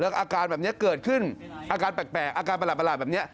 อาการแบบนี้เกิดขึ้นอาการแปลกอาการประหลาดแบบนี้